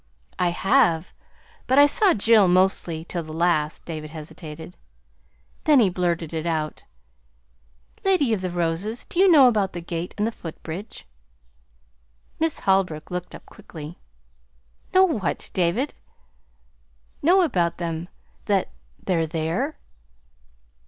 "I have; but I saw Jill mostly, till the last." David hesitated, then he blurted it out: "Lady of the Roses, do you know about the gate and the footbridge?" Miss Holbrook looked up quickly. "Know what, David?" "Know about them that they're there?"